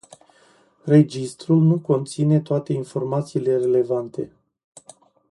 Registrul nu conține toate informațiile relevante.